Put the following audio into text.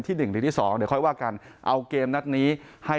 หนึ่งหรือที่สองเดี๋ยวค่อยว่ากันเอาเกมนัดนี้ให้